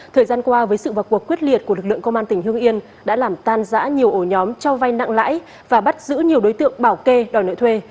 thời gian qua với sự vào cuộc quyết liệt của lực lượng công an tỉnh hương yên đã làm tan giã nhiều ổ nhóm cho vai nặng lãi và bắt giữ nhiều đối tượng bảo kê đòi nợ thuê